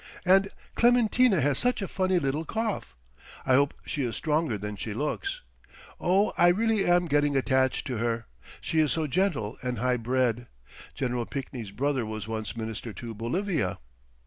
And Clementina has such a funny little cough. I hope she is stronger than she looks. Oh, I really am getting attached to her, she is so gentle and high bred. Gen. Pinkney's brother was once Minister to Bolivia."